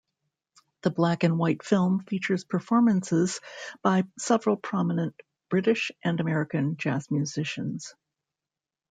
The black-and-white film features performances by several prominent British and American jazz musicians.